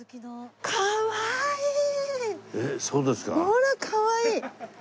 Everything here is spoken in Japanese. ほらかわいい。